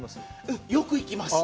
うん、よく行きます。